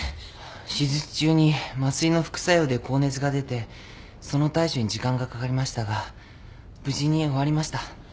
手術中に麻酔の副作用で高熱が出てその対処に時間がかかりましたが無事に終わりました。